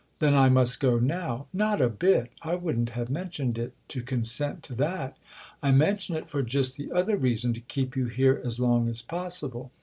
"Then I must go now." " Not a bit. I wouldn't have mentioned it to consent to that. I mention it for just the other reason to keep you here as long as possible.